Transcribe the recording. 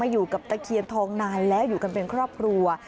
อยู่กับตะเคียนทองนานแล้วอยู่กันเป็นครอบครัว